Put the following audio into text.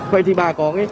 vậy thì bà có